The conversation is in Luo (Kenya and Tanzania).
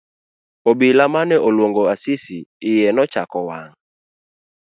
Obila mane oluongo Asisi iye nochako wang'.